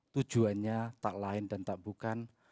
tujuannya tak lain dan tak bukan